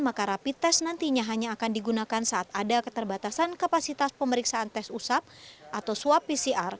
maka rapid test nantinya hanya akan digunakan saat ada keterbatasan kapasitas pemeriksaan tes usap atau swab pcr